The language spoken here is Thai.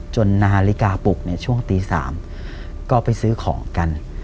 จนหนาลิกาปลุกในช่วงตี๓ก็ไปซื้อของกัน